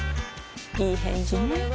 いい返事ね